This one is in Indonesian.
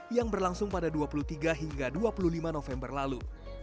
yang berlangsung pada dua puluh tiga hingga dua puluh lima november lalu